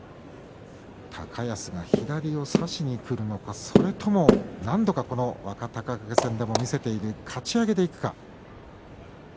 高安が左を差しにくるのかそれとも何度か若隆景戦でも見せているかち上げでいくか。